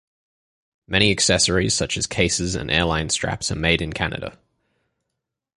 Many accessories such as cases and Airline straps are made in Canada.